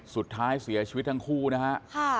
สุดท้ายเสียชีวิตทั้งคู่นะฮะ